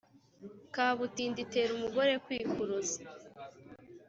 kabutindi itera umugore kwikuruza.